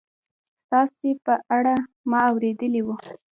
ستاسې په اړه ما اورېدلي و